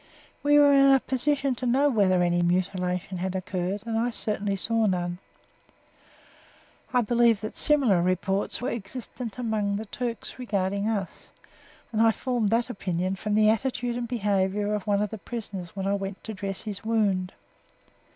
We were in a position to know whether any mutilation had occurred, and I certainly saw none. I believe that similar reports were existent among the Turks regarding us, and I formed that opinion from the attitude and behaviour of one of the prisoners when I went to dress his wound.